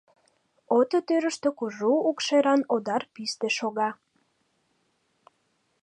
Ото тӱрыштӧ кужу укшеран одар писте шога.